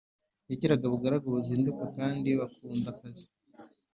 Yagiraga abagaragu bazinduka kandi bakunda akazi